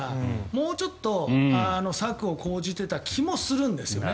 もうちょっと策を講じていた気もするんですよね。